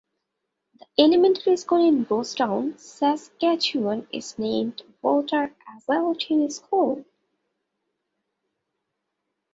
The elementary school in Rosetown, Saskatchewan is named Walter Aseltine School.